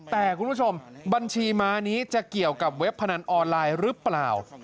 แต่คุณผู้ชมบัญชีม้านี้จะเกี่ยวกับเว็บพนันออนไลน์หรือเปล่า